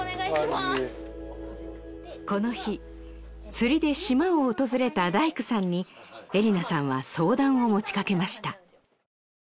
この日釣りで島を訪れた大工さんにえりなさんは相談を持ちかけました